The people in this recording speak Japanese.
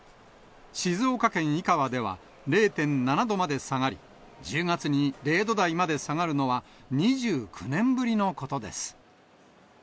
静岡県井川では、０．７度まで下がり、１０月に０度台まで下がるのは、２９年ぶりのことです。